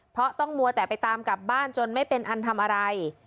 เพราะต้องมัวแต่ไปตามกลับบ้านจนไม่เป็นอันทำอะไร